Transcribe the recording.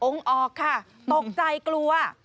องค์ออกค่ะตกใจกลัว